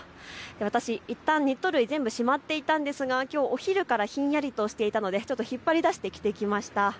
私いったんニット類全部しまっていたんですがお昼からひんやりしていたので引っ張り出して着てきました。